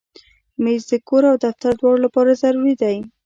مېز د کور او دفتر دواړو لپاره ضروري دی.